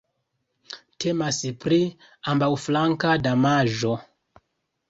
Temas pri ambaŭflanka damaĝo.